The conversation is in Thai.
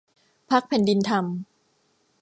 พรรคแผ่นดินธรรม